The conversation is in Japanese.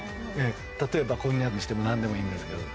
例えばこんにゃくにしても何でもいいんですけど。